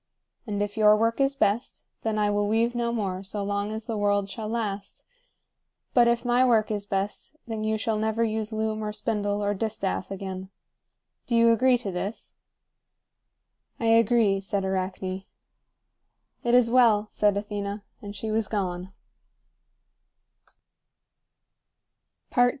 And if your work is best, then I will weave no more so long as the world shall last; but if my work is best, then you shall never use loom or spindle or distaff again. Do you agree to this?" "I agree," said Arachne. "It is well," said Athena. And she was gone.